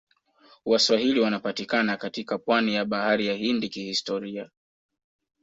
Waswahili wanapatikana katika pwani ya bahari ya Hindi ya kihistoria